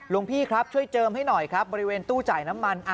พี่ครับช่วยเจิมให้หน่อยครับบริเวณตู้จ่ายน้ำมัน